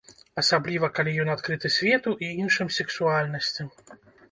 Асабліва, калі ён адкрыты свету і іншым сексуальнасцям.